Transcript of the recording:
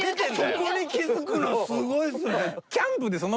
そこに気づくのすごいっすね。